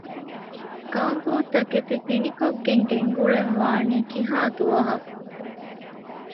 ކާބޯތަކެތި ފިނިކޮށްގެން ގެންގުޅެން ވާނީ ކިހާ ދުވަހަކު؟